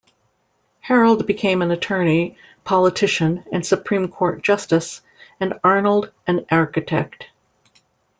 Harold became an attorney, politician and Supreme Court Justice; and Arnold an architect.